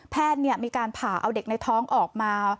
มีการผ่าเอาเด็กในท้องออกมา